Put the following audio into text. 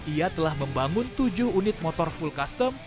ia telah membangun tujuh unit motor full custom